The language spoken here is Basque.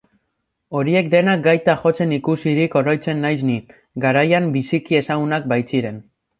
Horiek denak gaita jotzen ikusirik oroitzen naiz ni, garaian biziki ezagunak baitziren.